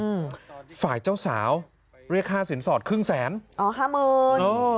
อืมฝ่ายเจ้าสาวเรียกค่าสินสอดครึ่งแสนอ๋อห้าหมื่นอ๋อ